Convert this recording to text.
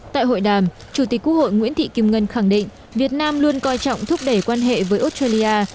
tại hội đàm chủ tịch quốc hội nguyễn thị kim ngân khẳng định việt nam luôn coi trọng thúc đẩy quan hệ với australia